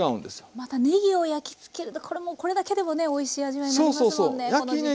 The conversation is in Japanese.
またねぎを焼きつけるとこれもこれだけでもねおいしい味わいになりますもんね